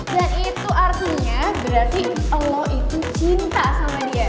dan itu artinya berarti lo itu cinta sama dia